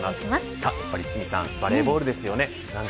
さあ堤さんバレーボールですよね。